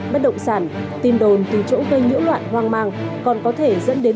bất động sản tin đồn từ chỗ gây nhiễu loạn hoang mang còn có thể dẫn đến